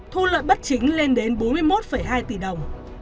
thu lợi bất chính lên đến bốn mươi một hai tỷ đồng